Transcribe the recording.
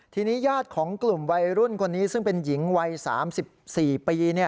ทีนี้ญาติของกลุ่มวัยรุ่นคนนี้ซึ่งเป็นหญิงวัย๓๔ปี